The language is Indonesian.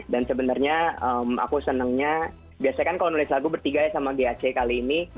dan sebenarnya aku senangnya biasanya kan kalau nulis lagu bertiga ya sama gac kali ini